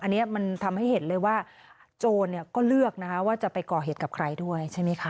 อันนี้มันทำให้เห็นเลยว่าโจรก็เลือกจะไปก่อเหตุกับใครด้วย